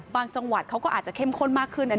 จังหวัดเขาก็อาจจะเข้มข้นมากขึ้น